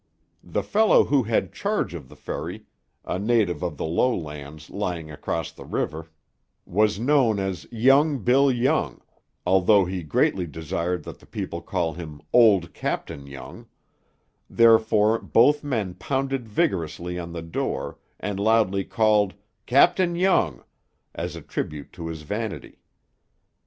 The fellow who had charge of the ferry, a native of the low lands lying along the river, was known as "Young Bill Young," although he greatly desired that the people call him "Old Captain Young;" therefore both men pounded vigorously on the door, and loudly called "Captain Young," as a tribute to his vanity.